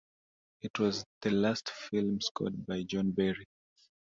It was the last film scored by John Barry.